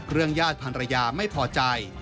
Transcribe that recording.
เรื่องญาติภรรยาไม่พอใจ